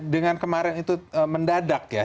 dengan kemarin itu mendadak ya